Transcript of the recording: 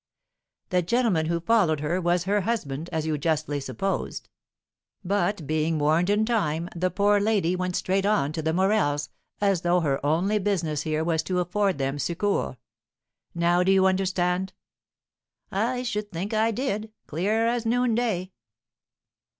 "The gentleman who followed her was her husband, as you justly supposed; but, being warned in time, the poor lady went straight on to the Morels, as though her only business here was to afford them succour. Now do you understand!" "I should think I did, clear as noonday.